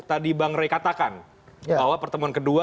tadi bang rey katakan bahwa pertemuan kedua